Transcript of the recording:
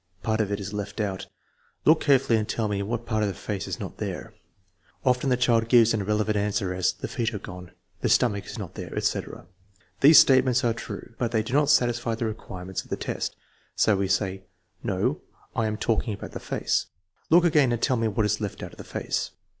Part of it is left out. Look carefully and tell me what part of the face is not there .""Often the child gives an irrelevant answer; as, " The feet are gone," " The stomach is not there/' etc. These statements are true, but they do not satisfy the requirements of the test, so we say: " No; I am talking about the face. Look again and tell me what is left out of the face."